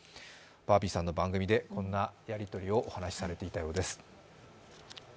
バービーさんの番組でこんなやりとりをお話しされていたようです。